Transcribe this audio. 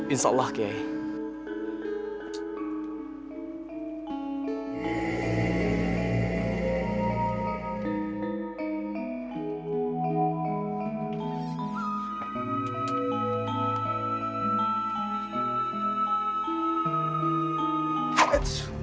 insya allah qiyai